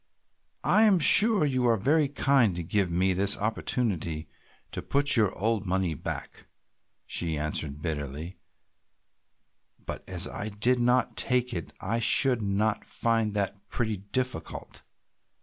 "I am sure you are very kind to give me this opportunity to put your old money back," she answered bitterly, "but as I did not take it I should find that pretty difficult.